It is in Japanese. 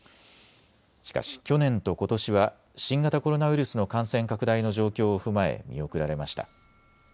しかし、去年とことしは新型コロナウイルスの感染拡大の状況を踏まえ見送られました。